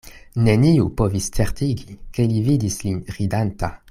Neniu povis certigi, ke li vidis lin ridanta.